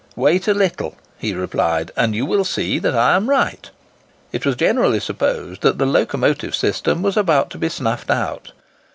"Wait a little," he replied, "and you will see that I am right." It was generally supposed that the locomotive system was about to be snuffed out.